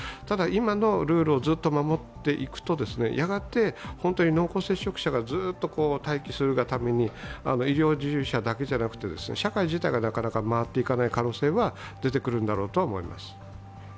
ただ、今のルールをずっと守っていくと、やがて本当に濃厚接触者がずっと待機するがために医療従事者だけでなく、社会自体がなかなか回っていかない可能性が出てくるんだろうと思います。